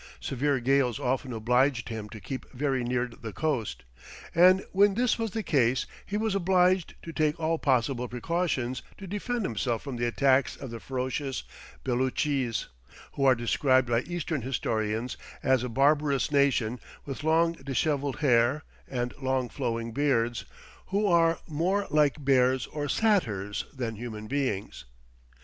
Severe gales often obliged him to keep very near the coast, and when this was the case he was obliged to take all possible precautions to defend himself from the attacks of the ferocious Beloochees, who are described by eastern historians "as a barbarous nation, with long dishevelled hair, and long flowing beards, who are more like bears or satyrs than human beings."